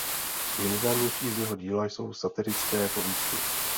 Nejznámější z jeho díla jsou satirické povídky.